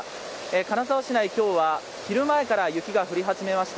金沢市内、今日は昼前から雪が降り始めました。